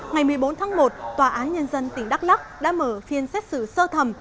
ngày một mươi bốn tháng một tòa án nhân dân tỉnh đắk lắc đã mở phiên xét xử sơ thẩm